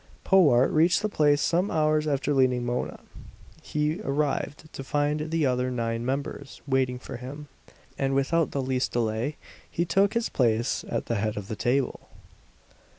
Powart reached the place some hours after leaving Mona. He arrived to find the other nine members waiting for him; and without the least delay he took his place at the head of the table.